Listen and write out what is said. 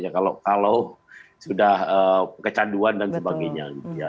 kalau sudah kecanduan dan sebagainya